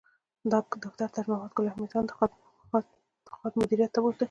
ډاکټر تاج محمد ګل حمید خان د خاد مدیریت ته بوت